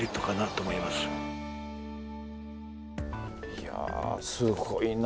いやすごいな。